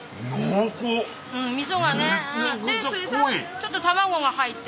ちょっと卵が入ってて。